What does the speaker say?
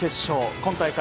今大会